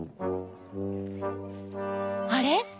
あれ？